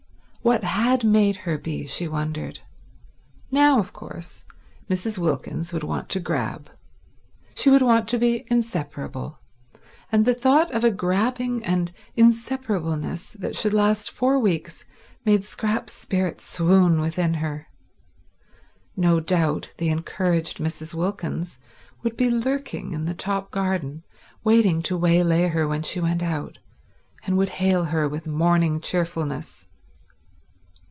What had made her be, she wondered. Now, of course, Mrs. Wilkins would want to grab, she would want to be inseparable; and the thought of a grabbing and an inseparableness that should last four weeks made Scrap's spirit swoon within her. No doubt the encouraged Mrs. Wilkins would be lurking in the top garden waiting to waylay her when she went out, and would hail her with morning cheerfulness.